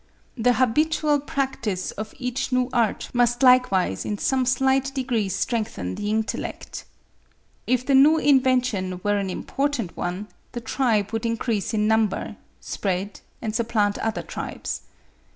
The habitual practice of each new art must likewise in some slight degree strengthen the intellect. If the new invention were an important one, the tribe would increase in number, spread, and supplant other tribes.